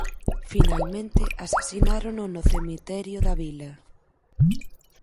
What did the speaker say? Finalmente asasinárono no Cemiterio da Vila.